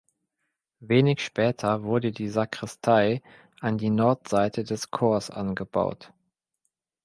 Wenig später wurde die Sakristei an die Nordseite des Chors angebaut.